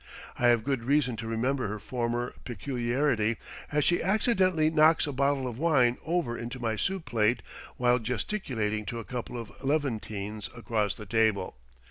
I have good reason to remember her former peculiarity, as she accidentally knocks a bottle of wine over into my soup plate while gesticulating to a couple of Levantines across the table.